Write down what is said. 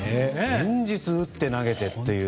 連日打って投げてという。